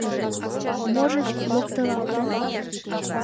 Можыч, локтылалтын?